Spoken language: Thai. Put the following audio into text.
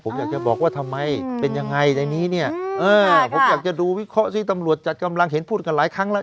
ผมอยากจะบอกว่าทำไมเป็นยังไงในนี้เนี่ยเออผมอยากจะดูวิเคราะห์สิตำรวจจัดกำลังเห็นพูดกันหลายครั้งแล้ว